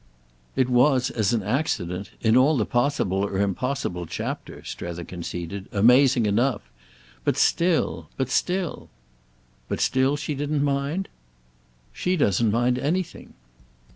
_" "It was, as an accident, in all the possible or impossible chapter," Strether conceded, "amazing enough. But still, but still—!" "But still she didn't mind?" "She doesn't mind anything."